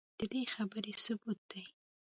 ددې خبرې ثبوت دے